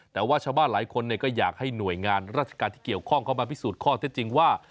แต่ว่าชาวบ้านหลายคนก็อยากให้หน่วยงานราชการที่เกี่ยวข้องเข้ามาพิสูจน์ข้อเท็จจริงว่า